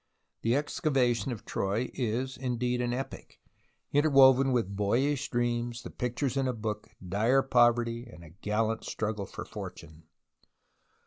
The excavation of Troy is, indeed, an epic, interwoven with boyish dreams, the pictures in a book, dire poverty, and a gallant struggle for fortune.